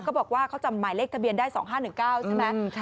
เขาบอกว่าเขาจำหมายเลขทะเบียนได้๒๕๑๙ใช่ไหม